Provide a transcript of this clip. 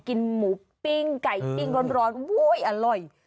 กินหมูปิ้งไก่ปิ้งร้อนโอ๊ยอร่อย